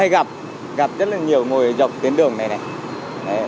thỉnh thoảng có hay gặp gặp rất là nhiều người dọc tiến đường này này